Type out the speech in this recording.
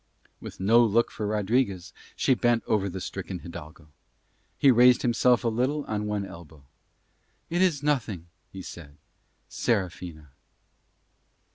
With no look for Rodriguez she bent over the stricken hidalgo. He raised himself a little on one elbow. "It is nothing," he said, "Serafina."